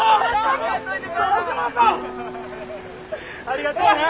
ありがとうな。